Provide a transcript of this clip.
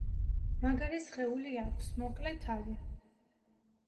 მაგარი სხეული აქვს, მოკლე თავი.